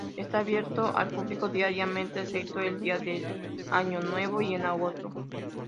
Está abierto al público diariamente excepto el día de año nuevo y en agosto.